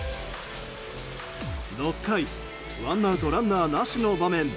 ６回ワンアウトランナーなしの場面。